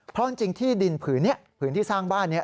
เพราะจริงที่ดินผืนนี้ผืนที่สร้างบ้านนี้